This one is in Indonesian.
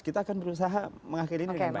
kita akan berusaha mengakhiri ini dengan baik